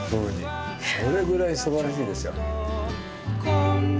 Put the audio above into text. それぐらいすばらしいですよ。